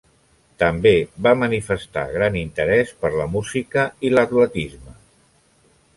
També va manifestar gran interès per la música i l'atletisme.